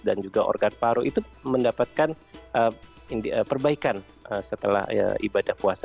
dan juga organ paru itu mendapatkan perbaikan setelah ibadah puasa